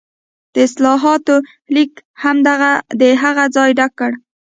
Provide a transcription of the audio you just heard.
د اصلاحاتو لیګ هم د هغه ځای ډک کړ.